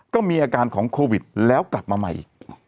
ก็มีอาการของโควิดแล้วกลับมาใหม่อีก